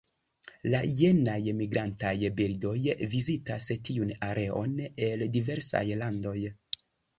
La jenaj migrantaj birdoj vizitas tiun areon el diversaj landoj.